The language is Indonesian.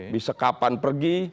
bisa kapan pergi